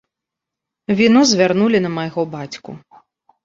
Віну звярнулі на майго бацьку.